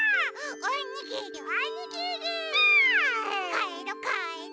かえろかえろ！